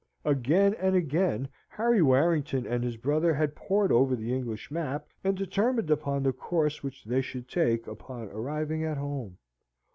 Again and again Harry Warrington and his brother had pored over the English map, and determined upon the course which they should take upon arriving at Home.